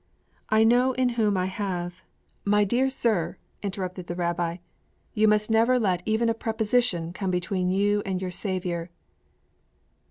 'I know in whom I have ' 'My dear sir,' interrupted the Rabbi, 'you must never let even a preposition come between you and your Saviour!'